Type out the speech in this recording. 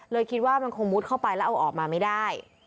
คิดว่ามันคงมุดเข้าไปแล้วเอาออกมาไม่ได้